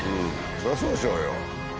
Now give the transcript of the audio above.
そりゃそうでしょうよ。